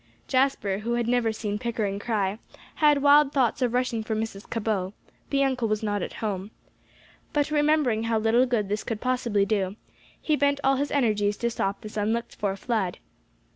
Jasper, who had never seen Pickering cry, had wild thoughts of rushing for Mrs. Cabot; the uncle was not at home. But remembering how little good this could possibly do, he bent all his energies to stop this unlooked for flood.